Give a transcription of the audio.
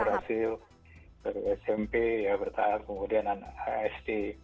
nanti kalau sudah berhasil smp ya bertahap kemudian dan hst